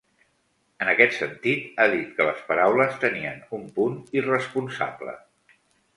En aquest sentit, ha dit que les paraules tenien ‘un punt irresponsable’.